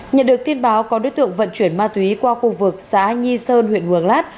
nhận được tin báo có đối tượng vận chuyển ma túy qua khu vực xã nhi sơn huyện huyền lát